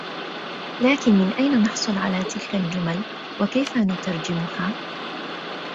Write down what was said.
لكن من أين نحصل على تلك الجمل ؟ وكيف نترجمها ؟